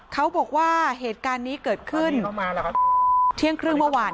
เขาบอกว่าเหตุการณ์นี้เกิดขึ้นประมาณเที่ยงครึ่งเมื่อวาน